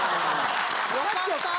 ・よかった！